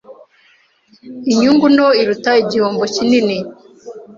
Inyungu nto iruta igihombo kinini. (kebukebu)